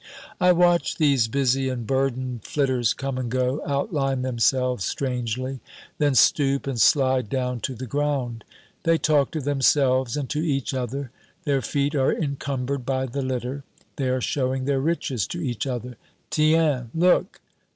I watch these busy and burdened flitters come and go, outline themselves strangely, then stoop and slide down to the ground; they talk to themselves and to each other, their feet are encumbered by the litter. They are showing their riches to each other. "Tiens, look!"